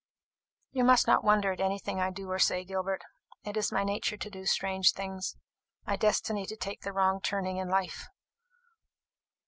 "You must not wonder at anything that I do or say, Gilbert. It is my nature to do strange things my destiny to take the wrong turning in life!"